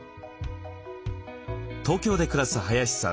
東京で暮らす林さん。